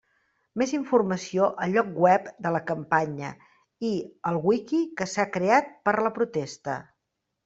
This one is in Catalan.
Més informació al lloc web de la campanya i al Wiki que s'ha creat per la protesta.